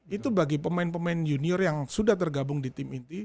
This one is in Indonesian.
itu bagi pemain pemain junior yang sudah tergabung di tim inti